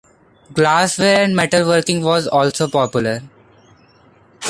Glassware and metalworking was also popular.